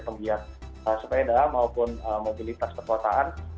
penggiat sepeda maupun mobilitas perkotaan